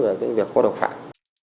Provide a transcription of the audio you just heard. là cái việc khô đau